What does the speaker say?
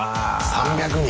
３００人！